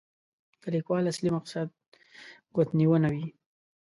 د لیکوال اصلي مقصد ګوتنیونه وي.